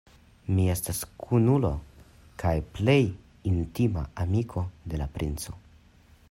Mi estas kunulo kaj plej intima amiko de la princo.